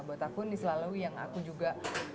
buat aku ini selalu yang aku juga